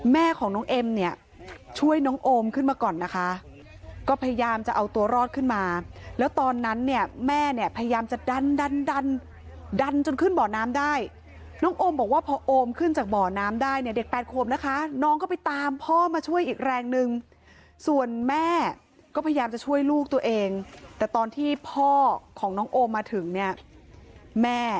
แม่ของน้องเอ็มเนี่ยช่วยน้องโอมขึ้นมาก่อนนะคะก็พยายามจะเอาตัวรอดขึ้นมาแล้วตอนนั้นเนี่ยแม่เนี่ยพยายามจะดันดันดันดันจนขึ้นบ่อน้ำได้น้องโอมบอกว่าพอโอมขึ้นจากบ่อน้ำได้เนี่ยเด็กแปดขวบนะคะน้องก็ไปตามพ่อมาช่วยอีกแรงนึงส่วนแม่ก็พยายามจะช่วยลูกตัวเองแต่ตอนที่พ่อของน้องโอมมาถึงเนี่ยแม่